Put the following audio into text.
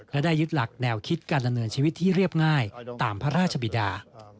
และได้ยึดหลักแนวคิดการดำเนินชีวิตที่เรียบง่ายตามพระราชบิดา